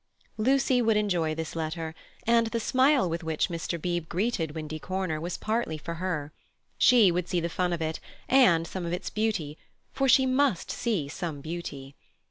Lucy would enjoy this letter, and the smile with which Mr. Beebe greeted Windy Corner was partly for her. She would see the fun of it, and some of its beauty, for she must see some beauty.